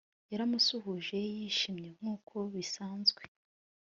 Yaramusuhuje yishimye nkuko bisanzwe